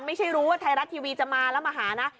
ไม่รู้ว่าไทยรัฐทีวีจะมาแล้วมาหานะ